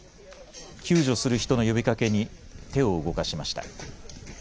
救助する人の呼びかけに手を動かしました。